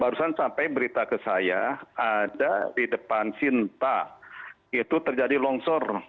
barusan sampai berita ke saya ada di depan sinta itu terjadi longsor